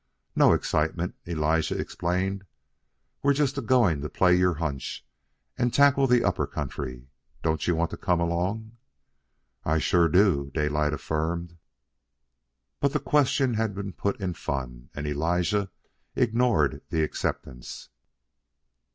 "No excitement," Elijah explained. "We're just a goin' to play your hunch, an' tackle the Upper Country. Don't you want to come along?" "I sure do," Daylight affirmed. But the question had been put in fun, and Elijah ignored the acceptance.